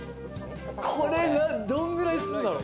これどんぐらいするんだろう。